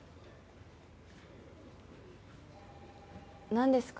何ですか？